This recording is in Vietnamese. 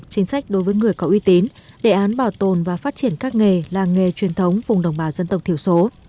chính sách đối với người có uy tín đề án bảo tồn và phát triển các nghề làng nghề truyền thống vùng đồng bào dân tộc thiểu số